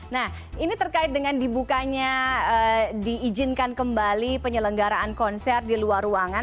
nah ini terkait dengan dibukanya diizinkan kembali penyelenggaraan konser di luar ruangan